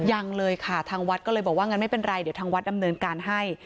ยังเลยค่ะทางวัดก็เลยบอกว่างั้นไม่เป็นไรเดี๋ยวทางวัดดำเนินการให้